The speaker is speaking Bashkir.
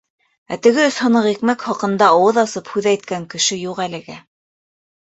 Ә теге өс һыныҡ икмәк хаҡында ауыҙ асып һүҙ әйткән кеше юҡ әлегә.